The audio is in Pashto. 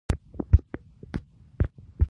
انار د خدای یو ښکلی نعمت دی.